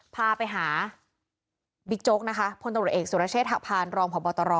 พาไปหาบิ๊กโจ๊กนะคะพลตำรวจเอกสุรเชษฐหักพานรองพบตร